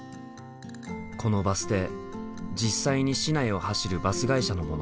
このバス停実際に市内を走るバス会社のもの。